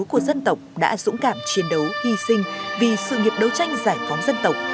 của dân tộc đã dũng cảm chiến đấu hy sinh vì sự nghiệp đấu tranh giải phóng dân tộc